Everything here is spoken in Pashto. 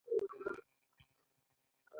که د هغه ارزښت له نورو کم وي.